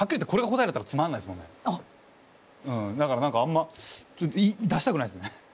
うんだから何かあんま出したくないっすね。